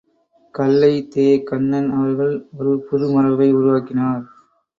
கல்லை தே.கண்ணன் அவர்கள் ஒரு புது மரபை உருவாக்கினார்.